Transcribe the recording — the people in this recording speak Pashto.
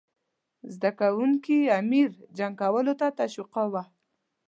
زده کوونکي امیر جنګ کولو ته تشویقاووه.